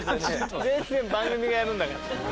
全然番組がやるんだから。